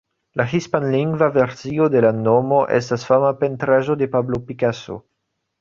La hispanlingva versio de la nomo estas fama pentraĵo de Pablo Picasso.